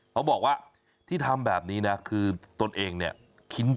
เขาบอกว่าที่ทำแบบนี้นะคือตนเองเนี่ย